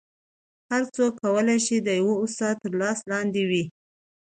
هر څوک کولی شي د یو استاد تر لاس لاندې وي